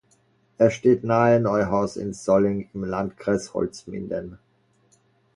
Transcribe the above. Er steht nahe Neuhaus im Solling im Landkreis Holzminden.